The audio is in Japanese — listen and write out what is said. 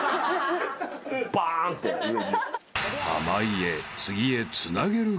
バーンって上に。